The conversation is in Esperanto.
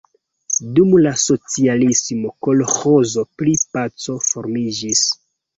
Dum la socialismo kolĥozo pri Paco formiĝis.